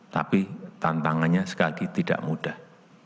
tapi tantangannya sekali lagi tidak mudah